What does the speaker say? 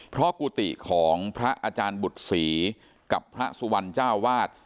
เพราะกุฏิของพระอาจารย์บุตรศรีกับพระสุวรรณเจ้าวาด